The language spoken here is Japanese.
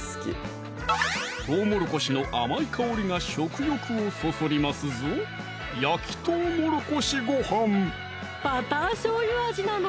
とうもろこしの甘い香りが食欲をそそりますぞバターしょうゆ味なの？